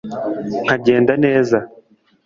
nkagenda neza